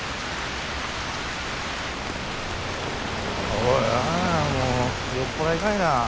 おいおいもう酔っ払いかいな。